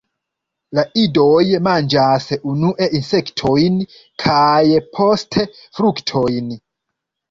La idoj manĝas unue insektojn kaj poste fruktojn.